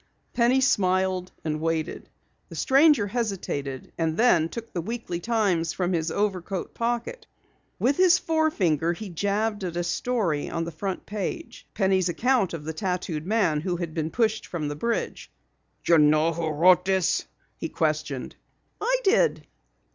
Penny smiled and waited. The stranger hesitated and then took the Weekly Times from his overcoat pocket. With his forefinger he jabbed at a story on the front page Penny's account of the tattooed man who had been pushed from the bridge. "You know who wrote this?" he questioned. "I did."